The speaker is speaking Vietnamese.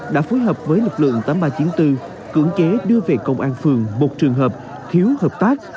đã phối hợp với lực lượng tám mươi ba bốn cưỡng chế đưa về công an phường một trường hợp thiếu hợp tác